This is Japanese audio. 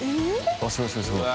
うわっすごいすごい。